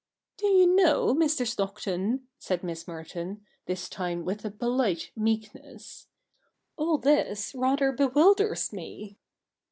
' Do you know, Mr. Stockton,' said Miss Merton, this time with a polite meekness, 'all this rather bewilders me.'